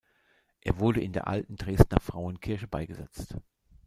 Er wurde in der alten Dresdner Frauenkirche beigesetzt.